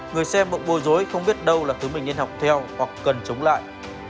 người xem bộ bồi dối không biết đâu là thứ mình nên học theo hoặc cần chống lại